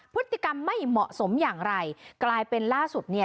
พฤติกรรมไม่เหมาะสมอย่างไรกลายเป็นล่าสุดเนี่ย